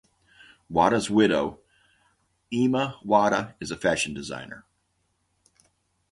Wada's widow, Emi Wada, is a fashion designer.